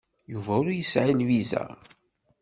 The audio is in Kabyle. Yuba ur yesɛi lviza.